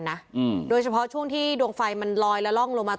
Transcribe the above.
นะอืมโดยเฉพาะช่วงที่ดวงไฟมันลอยและร่องลงมา